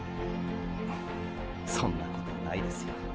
フッそんなことないですよ。